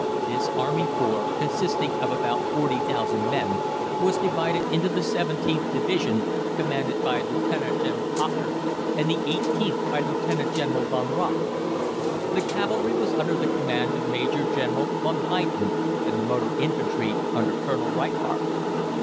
This Army Corps, consisting of about 40,000 men, was divided into the 17th Division, commanded by Lieutenant General Hocker, and the 18th by Lieutenant General von Rauch. The cavalry was under the command of Major General von Heyden, and the motor infantry under Colonel Reichardt.